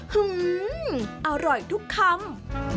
หื้มอร่อยทุกคำ